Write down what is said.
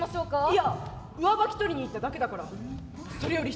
いや上履き取りに行っただけだからそれより瞳。